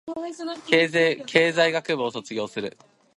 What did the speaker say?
経済学部を卒業する